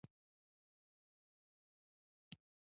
د لمر وړانګې د یخ پر وړاندې عاجزې وې.